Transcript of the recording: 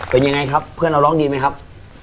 เป็นยังไงครับเพื่อนเราร้องดีไหมครับ